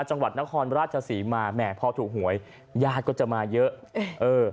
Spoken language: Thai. จังหวัดนครราชศรีมาแหมพอถูกหวยญาติก็จะมาเยอะเออ